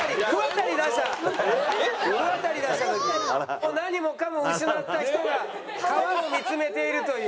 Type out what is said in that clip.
もう何もかも失った人が川を見つめているという。